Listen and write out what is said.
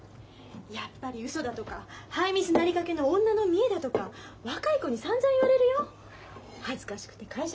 やっぱりうそだとかハイミスなりかけの女の見栄だとか若い子にさんざん言われるよ恥ずかしくて会社来れなくなるよ。